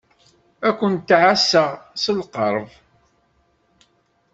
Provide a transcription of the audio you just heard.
Ad kent-ɛasseɣ s lqerb.